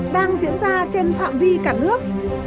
đang diễn ra trên phạm vi cả nước